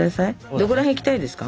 どこら辺行きたいですか？